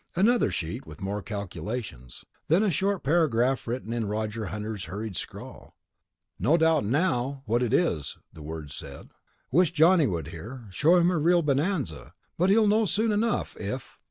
Another sheet with more calculations. Then a short paragraph written in Roger Hunter's hurried scrawl. "No doubt now what it is," the words said. "Wish Johnny were here, show him a real bonanza, but he'll know soon enough if...."